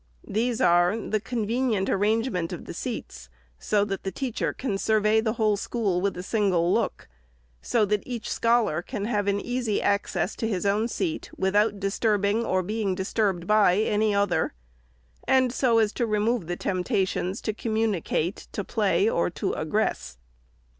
These are, the con venient arrangement of the seats, so that the teacher can survey the whole school with a single look ; so that each scholar can have an easy access to his own seat, without disturbing or being disturbed by any other ; and so as to remove the temptations to communicate, to play, or to aggress.